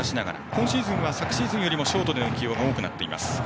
今シーズンは昨シーズンよりもショートでの起用が多くなっています。